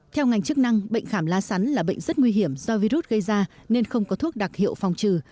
theo ngành chức năng bệnh khảm lá sắn là bệnh rất nguy hiểm do virus gây ra nên không có thuốc đặc hiệu phòng trừ